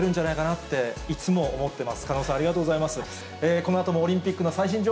このあともオリンピックの最新情